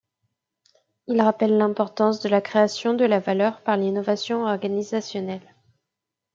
Il rappelle l’importance de la création de la valeur par l'innovation organisationnelle.